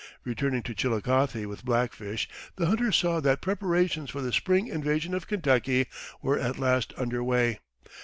Returning to Chillicothe with Black Fish, the hunter saw that preparations for the spring invasion of Kentucky were at last under way.